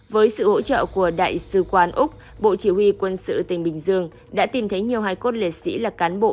với sự hỗ trợ của đại sứ quán úc bộ chỉ huy quân sự tỉnh bình dương đã tìm thấy nhiều hải cốt liệt sĩ là cán bộ